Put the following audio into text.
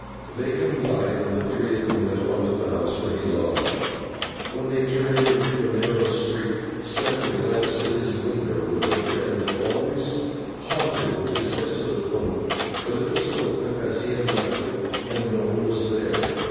They complied, and the three went on to the house where he lodged. When they turned into a narrow street, Stephen glanced at his window with a dread that always haunted his desolate home; but it was open, as he had left it, and no one was there.